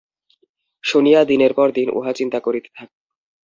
শুনিয়া দিনের পর দিন উহা চিন্তা করিতে থাক।